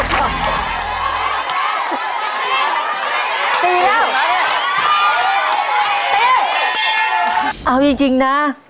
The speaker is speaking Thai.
เอาจริงนะ